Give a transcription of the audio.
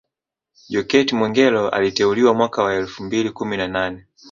Jokate Mwegelo aliteuliwa mwaka wa elfu mbili kumi na nane